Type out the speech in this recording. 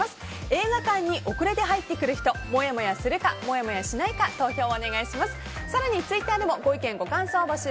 映画館で遅れて入ってくる人もやもやするかもやもやしないか投票をお願いします。